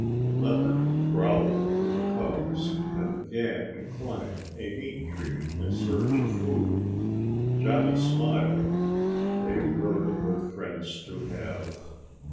The leopard growled to her cubs and began to climb a meat tree in search of food. Johnny smiled. They were good friends to have.